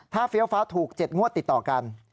ถ้าเฟียวฟ้าถูกเจ็ดงวดติดต่อกัน